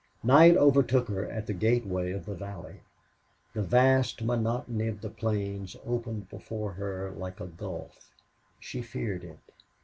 Night overtook her at the gateway of the valley. The vast monotony of the plains opened before her like a gulf. She feared it.